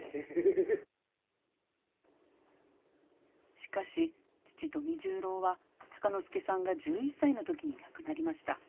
しかし、父、富十郎は鷹之資さんが１１歳のときに亡くなりました。